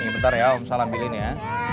nih bentar ya opsa ambilin ya